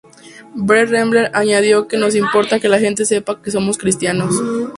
Brent Rambler añadió que "Nos importa que la gente sepa que somos Cristianos.